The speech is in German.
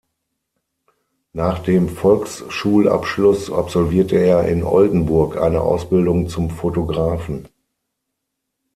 Nach dem Volksschulabschluss absolvierte er in Oldenburg eine Ausbildung zum Fotografen.